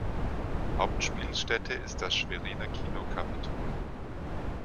Hauptspielstätte ist das Schweriner Kino Capitol.